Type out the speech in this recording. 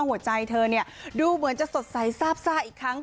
หัวใจเธอดูเหมือนจะสดใสซ่าบอีกครั้ง